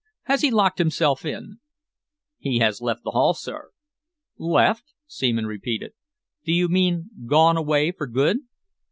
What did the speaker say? "Has he locked himself in?" "He has left the Hall, sir!" "Left!" Seaman repeated. "Do you mean gone away for good?"